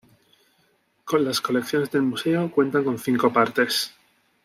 Las colecciones del museo cuentan con cinco partes.